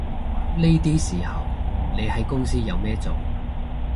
呢啲時候你喺公司有咩做